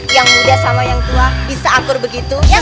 yang muda sama yang tua bisa akur begitu